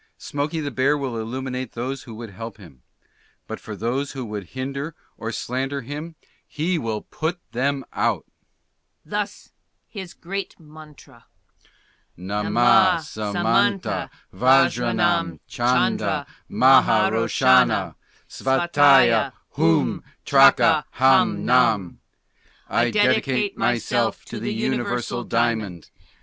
Smokey the Bear will Illuminate those who would help him; but for those who would hinder or slander him, HE WILL PUT THEM OUT. Thus his great Mantra: Namah samanta vajranam chanda maharoshana Sphataya hum traka ham nam "I DEDICATE MYSELF TO THE UNIVERSAL DIAMOND.